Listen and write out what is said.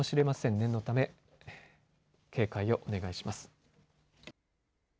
念のため警戒をお願いします。